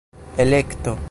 elekto